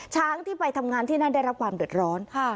ช้างที่ไปทำงานที่นั่นได้รับความเดือดร้อน